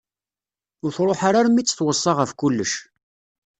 Ur truḥ ara armi i tt-tweṣṣa ɣef kullec.